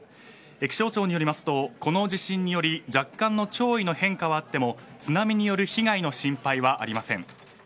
気象庁によりますとこの地震により若干の潮位の変化はあっても津波による被害の心配はありません。